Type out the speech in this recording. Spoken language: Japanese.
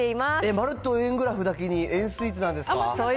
まるっと円グラフだけに円スイーツなんですか？